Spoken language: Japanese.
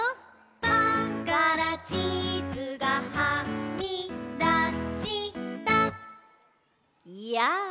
「パンからチーズがはみだしたやあ」